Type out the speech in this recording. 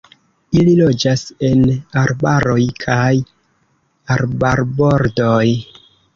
Ili loĝas en arbaroj kaj arbarbordoj.